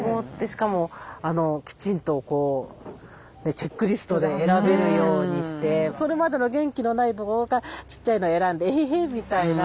しかもきちんとこうチェックリストで選べるようにしてそれまでの元気のないところからちっちゃいの選んでエヘヘみたいな。